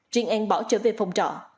riêng an bỏ trở về phòng trọ